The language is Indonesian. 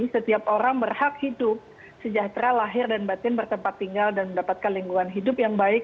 setiap orang berhak hidup sejahtera lahir dan batin bertempat tinggal dan mendapatkan lingkungan hidup yang baik